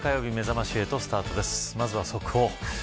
まずは速報。